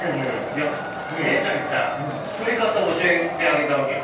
いや姉ちゃんにさ作り方教えてあげたわけよ。